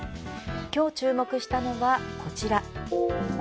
今日注目したのはこちら。